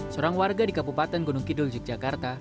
seorang warga di kabupaten gunung kidul yogyakarta